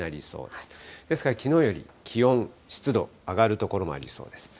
ですから、きのうより気温、湿度、上がる所もありそうです。